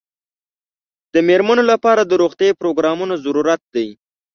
د مېرمنو لپاره د روغتیايي پروګرامونو ضرورت دی.